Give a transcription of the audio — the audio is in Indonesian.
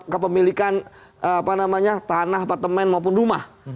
kepemilikan tanah apartemen maupun rumah